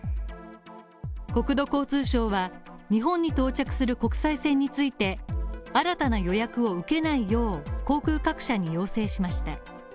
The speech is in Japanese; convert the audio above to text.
国土交通省は、日本に到着する国際線について、新たな予約を受けないよう、航空各社に要請しました。